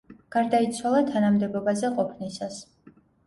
გარდაიცვალა თანამდებობაზე ყოფნისას.